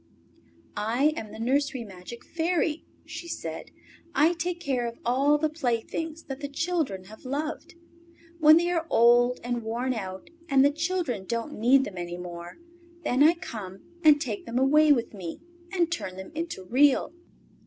"I am the nursery magic Fairy," she said. "I take care of all the playthings that the children have loved. When they are old and worn out and the children don't need them any more, then I come and take them away with me and turn them into Real."